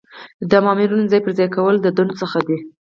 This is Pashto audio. د مامورینو ځای پر ځای کول د دندو څخه دي.